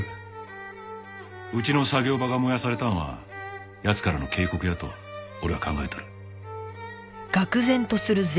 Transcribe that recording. うちの作業場が燃やされたんは奴からの警告やと俺は考えとる。